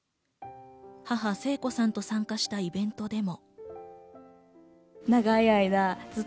母・聖子さんと参加したイベントでも。